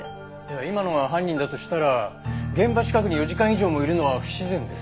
今のが犯人だとしたら現場近くに４時間以上もいるのは不自然ですね。